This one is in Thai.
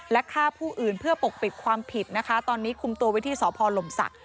และฆ่าผู้อื่นเพื่อปกปิดความผิดนะคะตอนนี้คุมตัวไว้ที่สพลมศักดิ